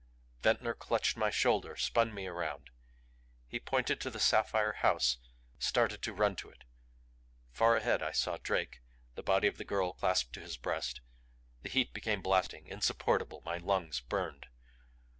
Ventnor clutched my shoulder, spun me around. He pointed to the sapphire house, started to run to it. Far ahead I saw Drake, the body of the girl clasped to his breast. The heat became blasting, insupportable; my lungs burned.